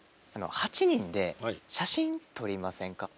８人で写真撮りませんか？